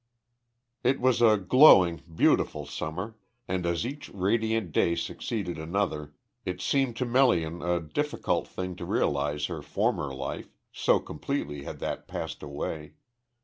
It was a glowing, beautiful summer, and as each radiant day succeeded another, it seemed to Melian a difficult thing to realise her former life, so completely had that passed away.